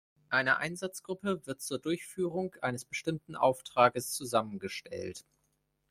Eine Einsatzgruppe wird zur Durchführung eines bestimmten Auftrages zusammengestellt.